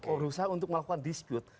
berusaha untuk melakukan dispute